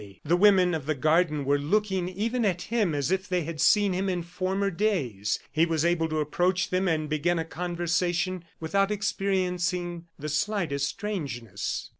The women of the garden were looking even at him as if they had seen him in former days. He was able to approach them and begin a conversation without experiencing the slightest strangeness.